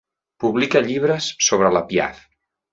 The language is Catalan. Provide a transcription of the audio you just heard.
Publicar llibres sobre la Piaff.